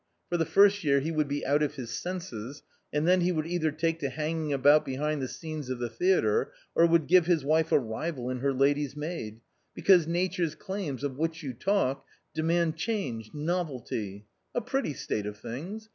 for the first year he would be out of his senses, and then he would either take to hanging about behind the scenes of the theatre, or would give his wife a rival in her lady's maid, because nature's claims of which you talk, demand change, novelty — a pretty state of things